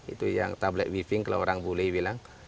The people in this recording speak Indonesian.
itu yang tablet wifing kalau orang bule bilang